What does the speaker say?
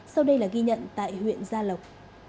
sau đây là ghi nhận tại huyện gia lộc